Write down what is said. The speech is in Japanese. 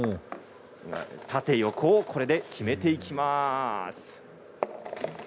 縦横をこれで決めていきます。